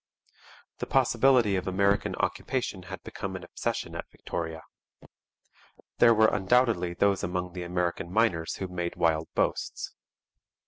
The possibility of American occupation had become an obsession at Victoria. There were undoubtedly those among the American miners who made wild boasts.